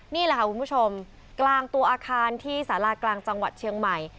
นี่แหละค่ะคุณผู้ชมกลางตัวอาคารที่สารากลางจังหวัดเชียงใหม่